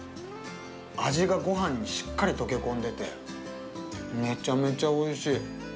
味がごはんにしっかり溶け込んでてめちゃめちゃおいしい。